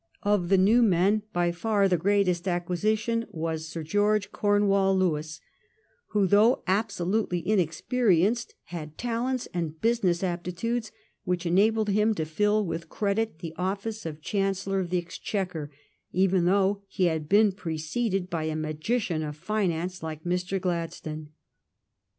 * Of the new men, by far the greatest acqui sition was Sir George Gornewall Lewis, who, though absolutely inexperienced, had talents and business ap titudes which enabled him to fill with credit the office of Chancellor of the Exchequer, even though he had ibeen preceded by a magician of finance like Mr. Glad stone.